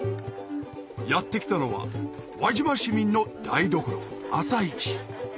やって来たのは輪島市民の台所朝市